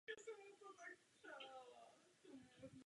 Všechny čtyři lodi byly nasazeny v první světové válce.